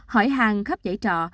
hỏi hàng khắp giải trọ